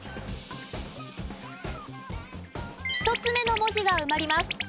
１つ目の文字が埋まります。